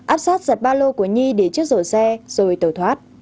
áp sát giật ba lô của nhi để chiếc rổ xe rồi tẩu thoát